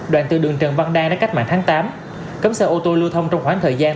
đoạn từ đường trần văn đang đến cách mạng tháng tám cấm xe ô tô lưu thông trong khoảng thời gian